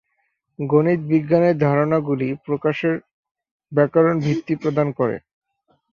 গণিত বিজ্ঞানের ধারণাগুলি প্রকাশের ব্যাকরণিক ভিত্তি প্রদান করে।